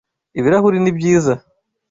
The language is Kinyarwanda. Ibirahuri ni byiza.